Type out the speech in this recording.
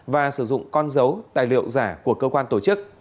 và sử dụng con dấu tài liệu giả của cơ quan tổ chức